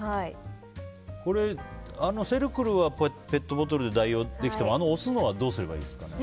これ、セルクルはペットボトルで代用できてもあの押すのはどうすればいいですかね。